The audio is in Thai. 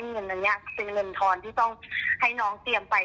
เงินอันนี้เป็นเงินทอนที่ต้องให้น้องเตรียมไป